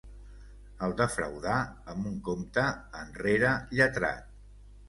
El defraudà amb un compte enrere lletrat.